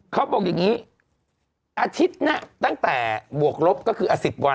เขาบอกอย่างนี้อาทิตย์นะตั้งแต่บวกลบก็คือ๑๐วัน